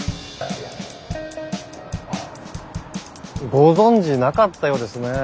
ご存じなかったようですね。